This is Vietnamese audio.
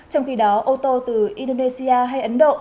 trong khi đó ô tô từ indonesia hay ấn độ